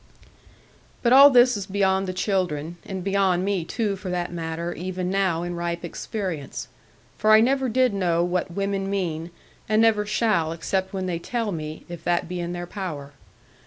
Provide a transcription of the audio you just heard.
But all this is beyond the children, and beyond me too for that matter, even now in ripe experience; for I never did know what women mean, and never shall except when they tell me, if that be in their power.